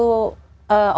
operasi masih perlu